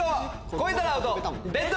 超えたらアウト！